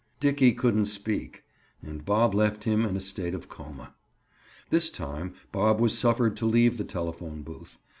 Dickie couldn't speak and Bob left him in a state of coma. This time Bob was suffered to leave the telephone booth.